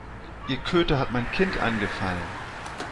Ihr Köter hat mein Kind angefallen.